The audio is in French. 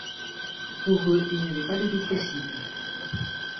Pour eux, il n’y avait pas de doute possible !